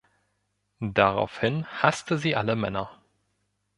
Daraufhin hasste sie alle Männer.